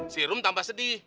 si rom tambah sedih